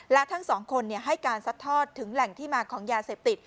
และทั้งสองคนให้การซัดทอดถึงแหล่งที่มาของยาเสพติด